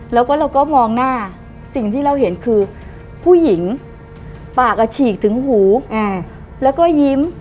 แล้วก็เราก็มองหน้าสิ่งที่เราเห็นคือผู้หญิงปากฉีกถึงหูแล้วก็ยิ้ม